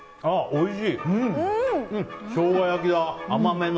おいしい！